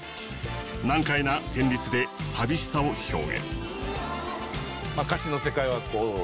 難解な旋律で寂しさを表現。